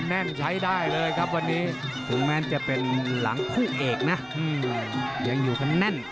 แน่นใช้ได้เลยครับวันนี้ถึงแม้จะเป็นหลังคู่เอกนะยังอยู่กันแน่น